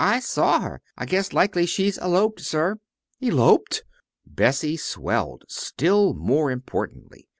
I saw her. I guess likely she's eloped, sir." "Eloped!" Bessie swelled still more importantly.